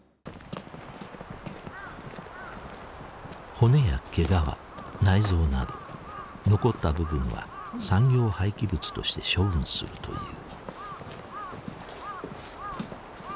骨や毛皮内臓など残った部分は産業廃棄物として処分するという。